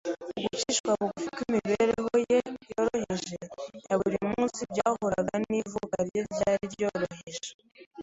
Ugucishwa bugufi kw’imibereho ye yoroheje ya buri munsi byahuraga n’ivuka rye ryari ryoroheje